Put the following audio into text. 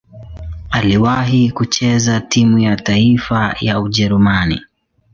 Aliwahi kucheza timu ya taifa ya Ujerumani.